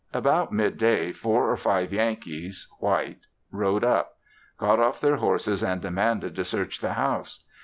About midday four or five Yankees (white) rode up; got off their horses and demanded to search the house.